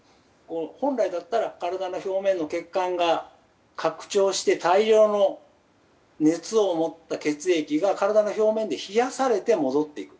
本来だったら体の表面の血管が拡張して大量の熱を持った血液が体の表面で冷やされて戻っていく。